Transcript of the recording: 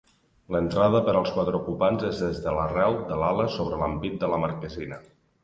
L'entrada per als quatre ocupants és des de l'arrel de l'ala sobre l'ampit de la marquesina.